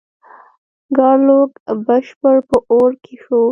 ګارلوک بشپړ په اور کې شو.